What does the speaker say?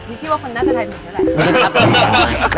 พี่ชื่อว่าคนน่าจะทายถูกก็ได้